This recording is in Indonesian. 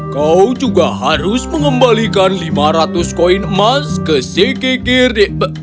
kau juga harus mengembalikan lima ratus koin emas ke si kekir di